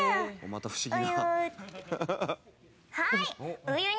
また不思議な。